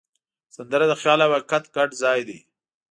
سندره د خیال او حقیقت ګډ ځای دی